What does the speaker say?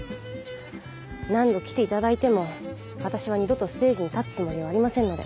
何度来ていただいても私は二度とステージに立つつもりはありませんので。